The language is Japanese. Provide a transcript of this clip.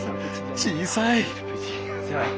小さい。